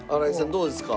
どうですか？